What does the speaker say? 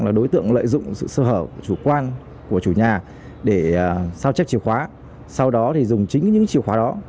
là đối tượng lợi dụng sự sơ hở chủ quan của chủ nhà để sao chép chiều khóa sau đó dùng chính những chiều khóa đó